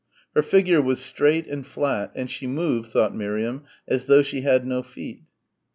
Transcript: Her figure was straight and flat, and she moved, thought Miriam, as though she had no feet.